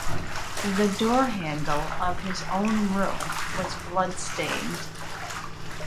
The door-handle of his own room was blood-stained.